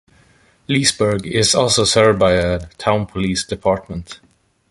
Leesburg is also served by a town police department.